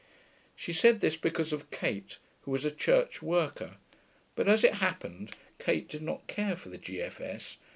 She said this because of Kate, who was a church worker. But as it happened Kate did not care for the G.F.S.